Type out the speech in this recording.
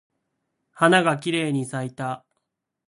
花がきれいに咲いた。